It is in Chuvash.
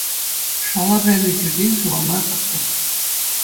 Шала кайнӑ чиртен сывалма кӑткӑс.